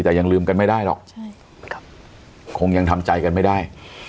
แต่ยังลืมกันไม่ได้หรอกใช่ครับคงยังทำใจกันไม่ได้